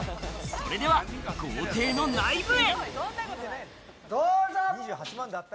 それでは豪邸の内部へ。